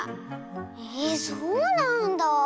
えそうなんだあ。